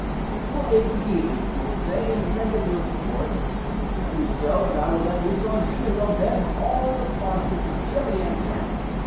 You will aid the Guises, you will say, and lend them your support. Do so, and I will let loose on you and on them all the Protestants of Germany and France.